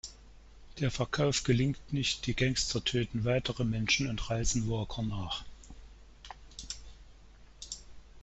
Der Verkauf gelingt nicht, die Gangster töten weitere Menschen und reisen Walker nach.